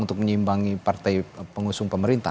untuk menyimbangi partai pengusung pemerintah